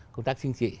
công tác chính trị